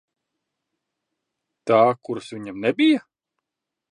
Tā, kuras viņam nebija?